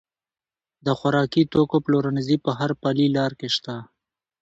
د خوراکي توکو پلورنځي په هر پلې لار کې شته.